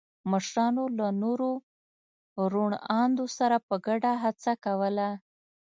مشرانو له نورو روڼ اندو سره په ګډه هڅه کوله.